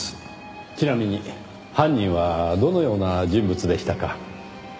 ちなみに犯人はどのような人物でしたか？